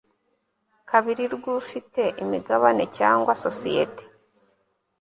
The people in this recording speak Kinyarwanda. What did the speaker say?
kabiri rw ufite imigabane cyangwa sosiyete